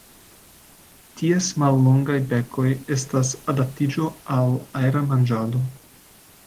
Ties mallongaj bekoj estas adaptiĝo al aera manĝado.